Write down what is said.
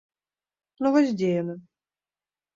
Ну вось дзе яна?